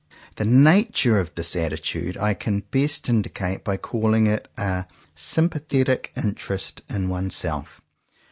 The nature of this attitude I can best indicate, by calling it a sympathetic interest in oneself.